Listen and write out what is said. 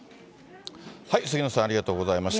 杉野さん、ありがとうございました。